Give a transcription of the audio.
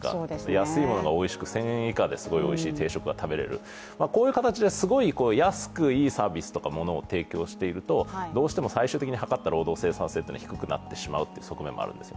安いものがおいしく１０００円以下ですごくおいしい定食が食べられる、こういう形ですごい安くいいサービスとか物を提供しているとどうしても最終的に、はかった労働生産性は低くなってしまうという側面があります。